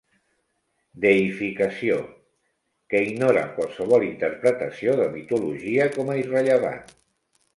"Deïficació", que ignora qualsevol interpretació de mitologia com a irrellevant.